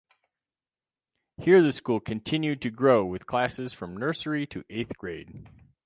Here the school continued to grow with classes from nursery to eighth grade.